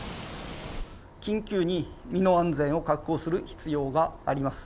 緊急に身の安全を確保する必要があります。